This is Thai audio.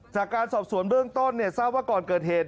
จากการสอบสวนเบื้องต้นทราบว่าก่อนเกิดเหตุ